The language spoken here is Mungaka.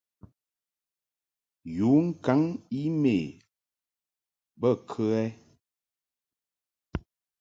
Yu ŋkaŋ e-mail bə kə ɛ?